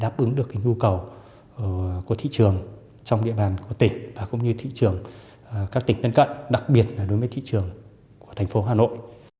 đáp ứng được nhu cầu của thị trường trong địa bàn của tỉnh và cũng như thị trường các tỉnh lân cận đặc biệt là đối với thị trường của thành phố hà nội